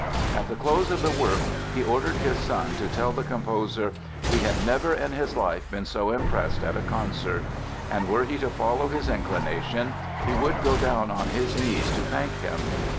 At the close of the work he ordered his son to tell the composer "he had never in his life been so impressed at a concert" and were he to follow his inclination, he would "go down on his knees to thank him".